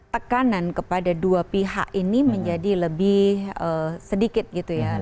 tekanan kepada dua pihak ini menjadi lebih sedikit gitu ya